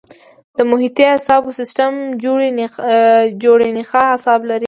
د محیطي اعصابو سیستم جوړې نخاعي اعصاب لري.